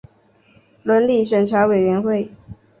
伦理审查委员会